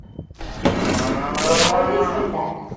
They always do that.